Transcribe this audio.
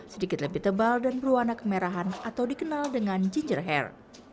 sedikit lebih tebal dan berwarna kemerahan atau dikenal dengan ginger hair